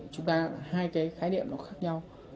chúng ta hai cái khái niệm nó khác nhau